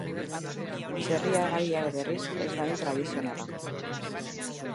Txerri haragia berriz, ez da hain tradizionala.